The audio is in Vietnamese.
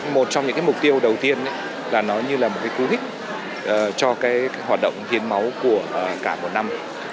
một trong những mục tiêu đầu tiên là nó như là một cú hích cho hoạt động hiến máu của cả một năm